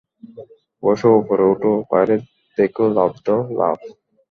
বসো উপরে ওঠো বাইরে দেখো লাফ দাও - লাফ!